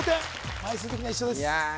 枚数的には一緒ですやあ